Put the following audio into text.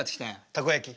たこ焼き。